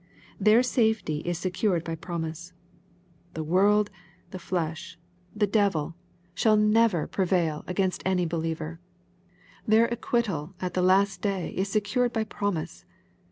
Their safety is secured by promise. The world, the flesh, and the devil, shall never 46 EXFOSITORY THOUGHTS. preTEiI against any believer. Their acquittal at the last day is secured by promise.